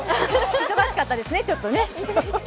忙しかったですね、ちょっとね。